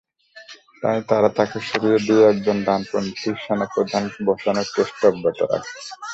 তাই তারা তাঁকে সরিয়ে দিয়ে একজন ডানপন্থী সেনাপ্রধানকে বসানোর চেষ্টা অব্যাহত রাখে।